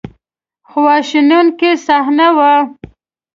خواشینونکې صحنه وه.